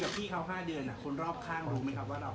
แถมเพื่อสนิทกับคุณแม่อย่างเงี้ยเขาทราบว่าเราคุยกันในสถานะยังไง